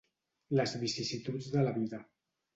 Les vicissituds de la vida.